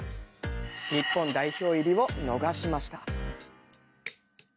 日本代表入りを逃しました。